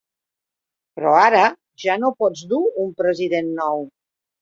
Però ara ja no pots dur un president nou.